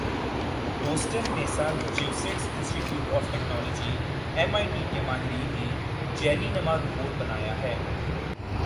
Boston Massachusetts Institute of Technology M I T کے ماہرین نے jelly نما روبوٹ بنایا ہے